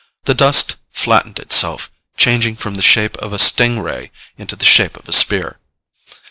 The dust flattened itself, changing from the shape of a sting ray into the shape of a spear.